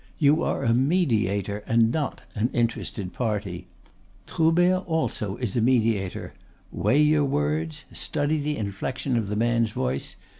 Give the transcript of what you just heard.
You are a mediator, and not an interested party. Troubert also is a mediator. Weigh your words; study the inflection of the man's voice.